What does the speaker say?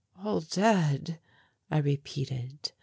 "All dead," I repeated.